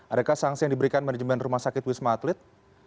adakah sanksi yang diberikan manajemen rumah sakit wisma atlet